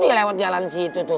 tuh dia lewat jalan situ tuh